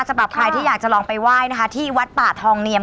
สำหรับใครที่อยากจะลองไปไหว้นะคะที่วัดป่าทองเนียม